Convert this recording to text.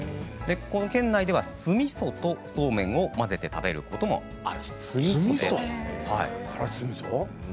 県内では、酢みそとそうめんを混ぜて食べることもあるそうです。